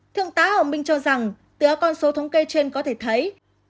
thượng tá hồng minh cho rằng từ các con số thống kê trên có thể thấy